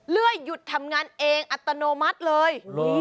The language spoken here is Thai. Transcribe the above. เลื่อยหยุดทำงานเองอัตโนมัติเลย